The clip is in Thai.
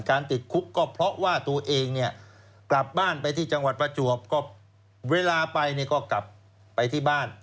ติดคุกก็เพราะว่าตัวเองเนี่ยกลับบ้านไปที่จังหวัดประจวบก็เวลาไปเนี่ยก็กลับไปที่บ้าน